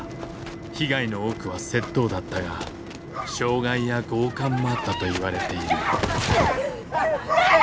被害の多くは窃盗だったが傷害や強姦もあったと言われている嫌だ！